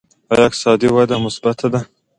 آیا اقتصادي وده مثبته ده؟